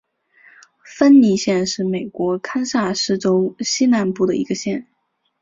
芬尼县是美国堪萨斯州西南部的一个县。